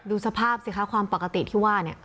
ดูสภาพสิคะความปกติที่ว่าเนี่ย